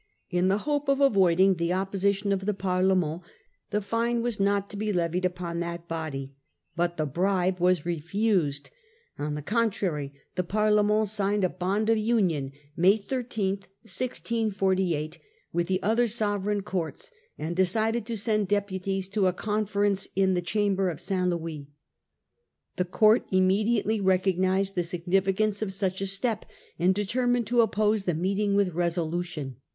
In the hope of avoiding the opposition of the Parlement the fine was not to be levied upon that body. But the bribe was refused. On the contrary the Parle Bond of ment s te ne d a k° n d of union, May 13, 1648, union. with the other sovereign courts, and decided to send deputies to a conference in the Chamber of St. Louis. The court immediately recognised the signi ficance of such a step, and determined to oppose the meeting with resolution.